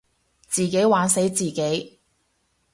自己玩死自己